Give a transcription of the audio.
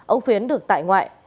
ông phiến được tại ngoại